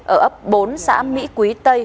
ở ấp bốn xã mỹ quý tây